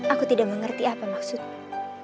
aku tidak mengerti apa maksudnya